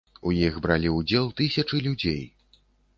У іх бралі ўдзел тысячы людзей.